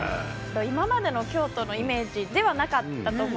今までの京都のイメージではなかったと思うんですね。